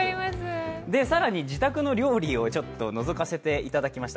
更に自宅の料理をちょっとのぞかせていただきました。